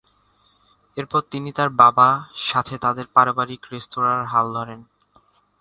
এরপর তিনি তার বাবা সাথে তাদের পারিবারিক রেস্তোরাঁর হাল ধরেন।